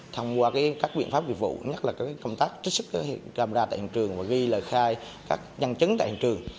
thông qua các biện pháp dịch vụ nhất là công tác trích sức gặp đà tại hình trường và ghi lời khai các nhân chứng tại hình trường